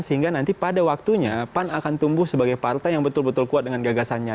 sehingga nanti pada waktunya pan akan tumbuh sebagai partai yang betul betul kuat dengan gagasannya